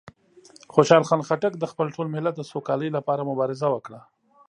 خوشحال خان خټک د خپل ټول ملت د سوکالۍ لپاره مبارزه وکړه.